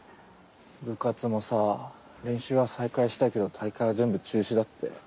部活もさ練習は再開したけど大会は全部中止だって。